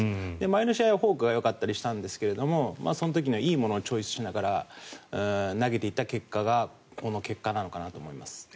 前の試合はフォークがよかったりしたんですがその時のいいものをチョイスしながら投げってったものがこの結果なのかなと思います。